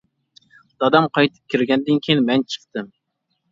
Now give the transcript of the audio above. دادام قايتىپ كىرگەندىن كىيىن مەن چىقتىم.